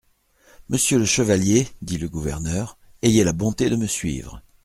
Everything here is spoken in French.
Monsieur le chevalier, dit le gouverneur, ayez la bonté de me suivre.